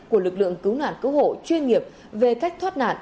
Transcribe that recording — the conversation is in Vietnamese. của lực lượng cứu nạn cứu hộ chuyên nghiệp về cách thoát nạn